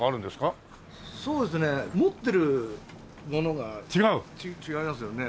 そうですね持ってるものが違いますよね。